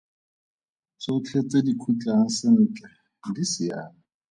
Tsotlhe tse di khutlang sentle di siame!